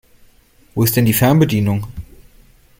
Wo ist denn die Fernbedienung?